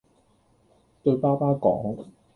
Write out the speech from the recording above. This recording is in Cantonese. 對爸爸講